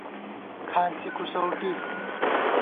کھانڅی کُوسَؤٹی